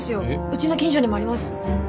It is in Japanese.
うちの近所にもあります。